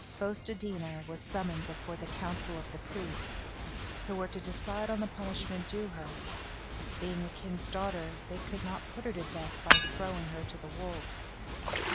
Fos te dí na was summoned before the council of the priests, who were to decide on the punishment due her. Being a king's daughter, they could not put her to death by throwing her to the wolves.